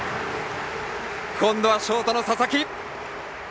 今度はショートの佐々木！